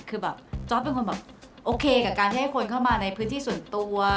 คือแบบจ๊อปเป็นคนแบบโอเคกับการที่ให้คนเข้ามาในพื้นที่ส่วนตัว